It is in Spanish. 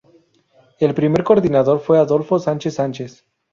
El primer Coordinador fue Adolfo Sánchez Sánchez.